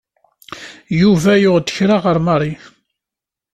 Yuba yuɣ-d kra ɣer Mary.